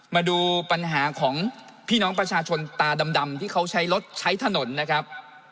มาดูปัญหาของพี่น้องประชาชนตาดำที่เขาใช้รถใช้ถนนนะครับ